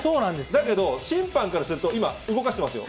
だけど、審判からすると、今、動かしてますよ。